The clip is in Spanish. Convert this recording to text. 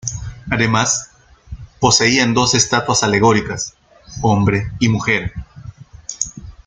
Además, poseían dos estatuas alegóricas, hombre y mujer.